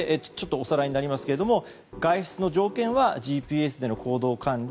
おさらいになりますけれども外出の条件はＧＰＳでの行動管理